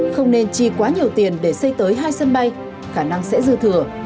không nên chi quá nhiều tiền để xây tới hai sân bay khả năng sẽ dư thừa